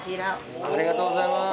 ありがとうございます